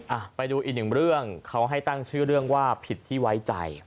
อ่ะไปดูอีกหนึ่งเรื่องเขาให้ตั้งชื่อเรื่องว่าผิดที่ไว้ใจ